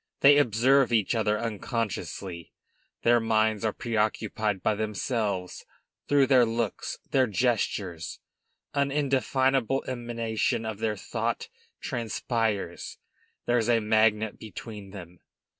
They observe each other unconsciously; their minds are preoccupied by themselves; through their looks, their gestures, an indefinable emanation of their thought transpires; there's a magnet between them.